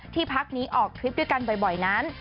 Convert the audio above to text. พักนี้ออกทริปด้วยกันบ่อยนั้น